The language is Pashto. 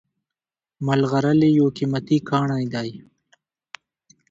ملغلرې یو قیمتي کاڼی دی